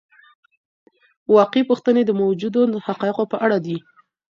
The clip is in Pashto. واقعي پوښتنې د موجودو حقایقو په اړه دي.